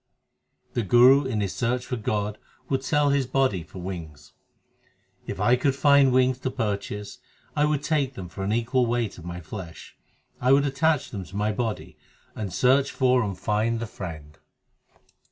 The Guru in his search for God would sell his body for wings : If I could find wings to purchase, I would take them for an equal weight of my flesh ; I would attach them to my body, and search for and find the Friend.